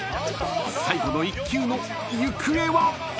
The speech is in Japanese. ［最後の１球の行方は⁉］